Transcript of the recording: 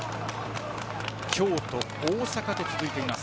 京都、大阪と続いています。